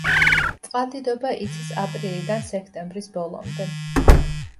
წყალდიდობა იცის აპრილიდან სექტემბრის ბოლომდე.